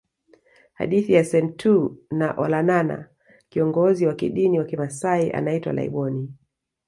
Hadithi ya Senteu na Olanana Kiongozi wa kidini wa kimasai anaitwa Laiboni